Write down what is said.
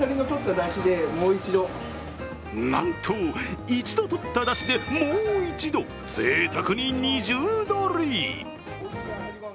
なんと、一度とっただしで、もう一度、ぜいたくに二重取り。